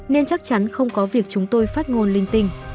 nên chắc chắn không có việc chúng tôi phát ngôn linh tinh